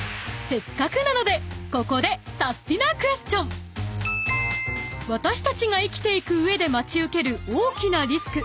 ［せっかくなのでここで］［私たちが生きていく上で待ち受ける大きなリスク］